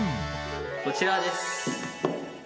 こちらです！